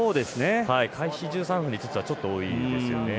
開始１３分で５つはちょっと多いですよね。